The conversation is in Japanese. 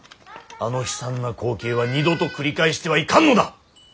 あの悲惨な光景は二度と繰り返してはいかんのだ！